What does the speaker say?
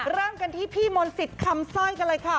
เริ่มกันที่พี่มนต์สิทธิ์คำสร้อยกันเลยค่ะ